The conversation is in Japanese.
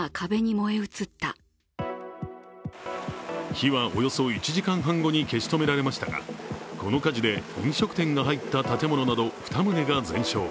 火はおよそ１時間半後に消し止められましたがこの火事で、飲食店が入った建物など２棟が全焼。